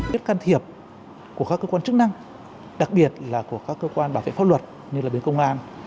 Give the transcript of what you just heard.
rất can thiệp của các cơ quan chức năng đặc biệt là của các cơ quan bảo vệ pháp luật như là bên công an